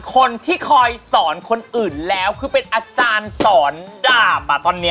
คนที่คอยสอนคนอื่นแล้วคือเป็นอาจารย์สอนดาบอ่ะตอนนี้